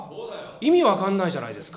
意味分かんないんじゃないですか。